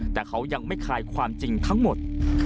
แต่เขายังไม่คลายความจริงทั้งหมด